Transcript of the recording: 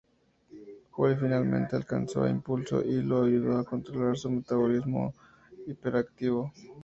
Wally finalmente alcanzó a Impulso y lo ayudó a controlar su "metabolismo-hiperactivo".